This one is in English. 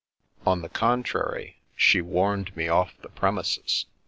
On the con trary, she warned me off the premises.